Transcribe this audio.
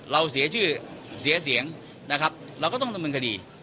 เราเสียชื่อเสียเสียงนะครับเราก็ต้องดำเนินคดี